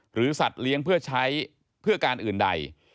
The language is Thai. สัตว์เลี้ยงเพื่อใช้เพื่อการอื่นใด